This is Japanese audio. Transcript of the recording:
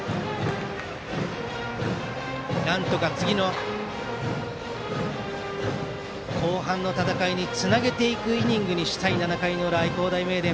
なんとか後半の戦いにつなげていくイニングにしたい７回の裏、愛工大名電。